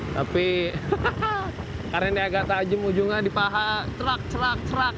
tapi karena ini agak tajam ujungnya di paha cerak cerak cerak